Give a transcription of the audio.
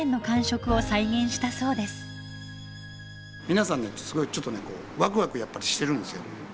皆さんねすごいちょっとねこうワクワクやっぱりしてるんですよ。